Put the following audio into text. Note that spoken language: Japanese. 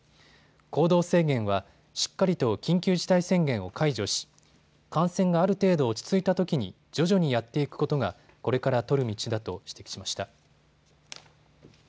行動制限は、しっかりと緊急事態宣言を解除し感染がある程度落ち着いたときに徐々にやっていくことがこれから取る道だと指摘しました。